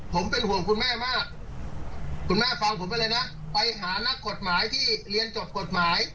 ผมเป็นห่วงคุณแม่มากคุณแม่ฟังผมไปเลยนะไปหานักกฎหมายที่เรียนจบกฎหมาย